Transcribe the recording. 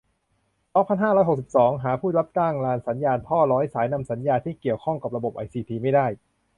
สองพันห้าร้อยหกสิบสอง หาผู้รับจ้างงานสัญญาท่อร้อยสายนำสัญญา ที่เกี่ยวข้องระบบไอซีทีไม่ได้